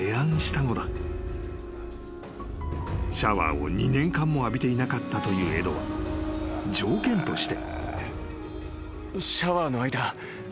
［シャワーを２年間も浴びていなかったというエドは条件として］